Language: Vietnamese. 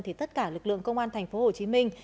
thì tất cả lực lượng công an thành phố hồ chí minh